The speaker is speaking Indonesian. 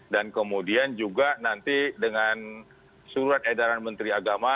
dan kemudian juga nanti dengan surat edaran menteri agama